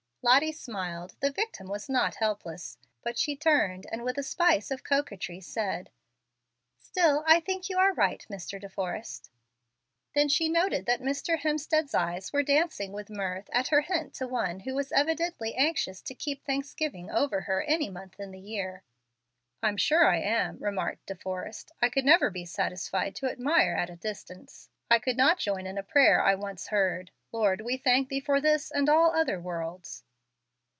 Lottie smiled. The victim was not helpless. But she turned, and with a spice of coquetry said, "Still I think you are right, Mr. De Forrest." Then she noted that Mr. Hemstead's eyes were dancing with mirth at her hint to one who was evidently anxious to keep "Thanksgiving" over her any month in the year. "I'm sure I am," remarked De Forrest. "I could never be satisfied to admire at a distance. I could not join in a prayer I once heard, 'Lord, we thank thee for this and all other worlds.'"